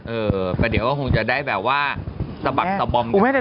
เออไปเดี๋ยวคงจะได้แบบว่าสะบัดตะบอนกันมาเลย